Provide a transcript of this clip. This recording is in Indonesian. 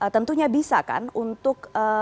tentunya bisa kan untuk